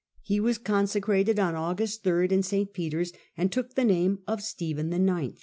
He was consecrated on August 3, in St. Peter's, and took the name of Stephen IX.